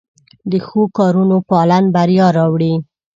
د ښو کارونو پالن بریا راوړي.